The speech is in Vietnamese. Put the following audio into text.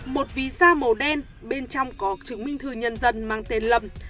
một ví da màu đen bên trong có chứng minh thư nhân dân mang tên lâm